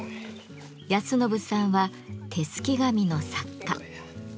泰宣さんは手すき紙の作家。